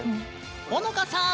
ほのかさん！